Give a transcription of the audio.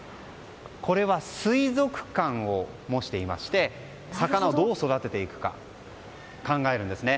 これは水族館を模していまして魚をどう育てていくか考えるんですね。